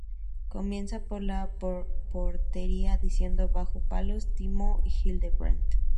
Comienza por la portería diciendo: Bajo palos: Timo Hildebrand.